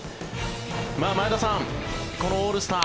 前田さん、このオールスター